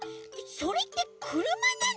それってくるまなの？